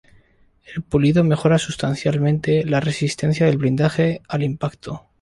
El pulido mejora sustancialmente la resistencia del blindaje al impacto.